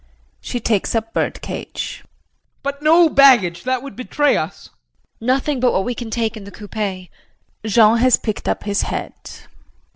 [She takes up bird cage.] JEAN. But no baggage! That would betray us. JULIE. Nothing but what we can take in the coupé. [Jean has picked up his hat.] JEAN.